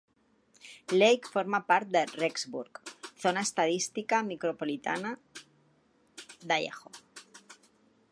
Lake forma part de Rexburg, zona estadística micropolitana d'Idaho.